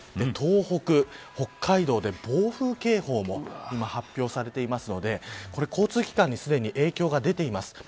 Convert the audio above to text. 東北、北海道で暴風警報も発表されていますので交通機関にすでに影響が出ています。